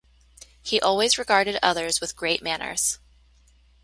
He always regarded others with great manners.